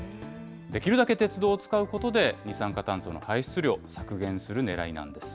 できるだけ鉄道を使うことで、二酸化炭素の排出量を削減するねらいなんです。